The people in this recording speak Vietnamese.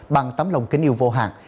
bằng tấm lòng kính yêu vô hạn